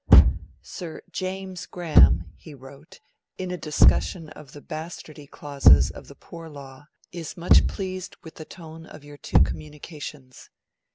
'Sir James Graham,' he wrote, in a discussion of the bastardy clauses of the Poor Law, 'is much pleased with the tone of your two communications.